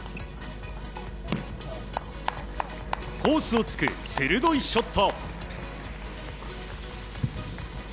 コースをつく鋭いショット。